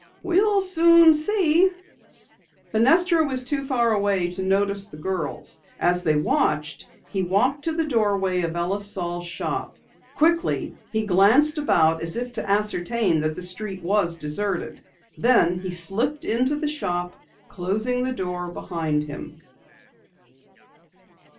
"We'll soon see." Fenestra was too far away to notice the girls. As they watched, he walked to the doorway of Ellis Saal's shop. Quickly he glanced about as if to ascertain that the street was deserted. Then he slipped into the shop, closing the door behind him.